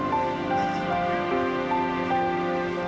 เข้าไปกับพระมหากรุณาที่โบสถ์